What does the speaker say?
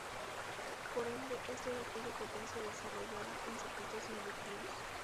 Por ende, es toda aquella potencia desarrollada en circuitos inductivos.